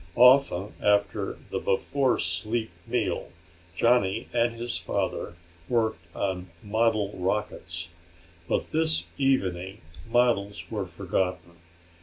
Often after the before sleep meal Johnny and his father worked on model rockets, but this evening models were forgotten.